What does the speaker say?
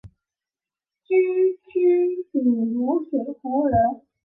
沮渠秉卢水胡人。